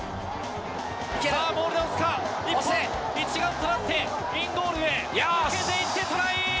モールで押すか、日本、一丸となって、インゴールへ、抜けていってトライ！